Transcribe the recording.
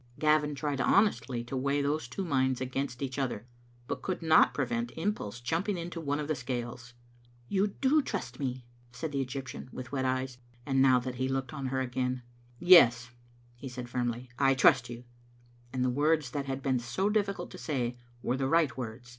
Gavin tried honestly to weigh those two minds against each other, but could not prevent impulse jumping into one of the scales. " You do trust me," the Egyptian said, with wet eyes; and now that he looked on her again — "Yes," he said firmly, "I trust you," and the words that had been so difficult to say were the right words.